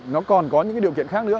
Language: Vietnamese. nó còn có những điều kiện khác nữa